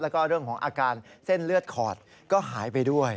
แล้วก็เรื่องของอาการเส้นเลือดขอดก็หายไปด้วย